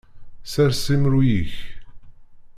Sers imru-yik.